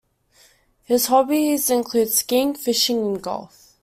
His hobbies include skiing, fishing and golf.